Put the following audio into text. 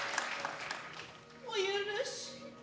お許し。